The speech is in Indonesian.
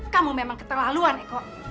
kamu memang keterlaluan eko